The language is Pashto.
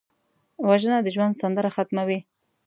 وژنه د ژوند سندره ختموي